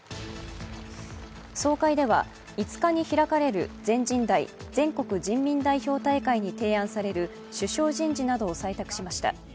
総会では、５日に開かれる全人代＝全国人民代表大会に提案される首相人事などを採択しました。